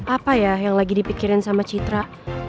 apa ya yang lagi dipikirin sama citra